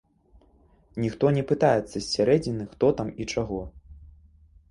Ніхто не пытаецца з сярэдзіны, хто там і чаго.